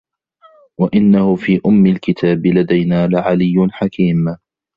وَإِنَّهُ في أُمِّ الكِتابِ لَدَينا لَعَلِيٌّ حَكيمٌ